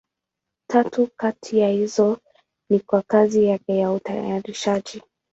Tatu kati ya hizo ni kwa kazi yake ya utayarishaji.